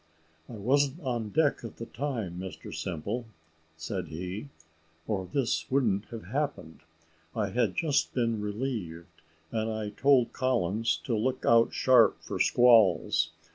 "I wasn't on deck at the time, Mr Simple," said he, "or this wouldn't have happened. I had just been relieved, and I told Collins to look out sharp for squalls.